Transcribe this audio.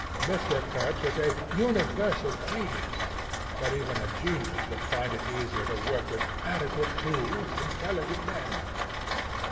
Mr. Kurtz was a 'universal genius,' but even a genius would find it easier to work with 'adequate tools intelligent men.'